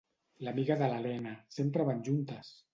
L’amiga de l’Elena, sempre van juntes!